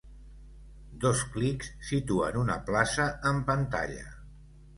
Dos clics situen una plaça en pantalla.